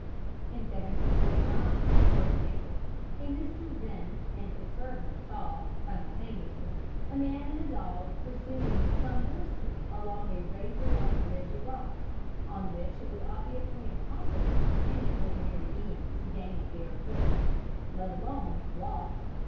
In 1745, for example, a Mr. Wren and his servant saw, simultaneously, a man and dog pursuing some horses along a razor like ridge of rocks, on which it was obviously impossible for any ordinary being to gain a bare foothold, let alone walk.